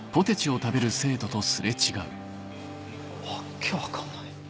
訳分かんない。